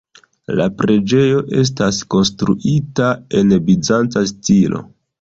La preĝejo estas konstruita en bizanca stilo.